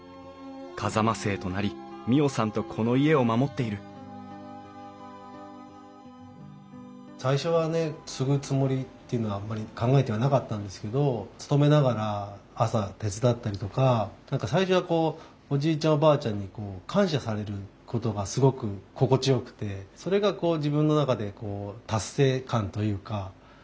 風間姓となり未央さんとこの家を守っている最初はね継ぐつもりっていうのはあんまり考えてはなかったんですけど勤めながら朝手伝ったりとか何か最初はこうおじいちゃんおばあちゃんに感謝されることがすごく心地よくてそれが自分の中で達成感というかあっ農業って面白いなあと。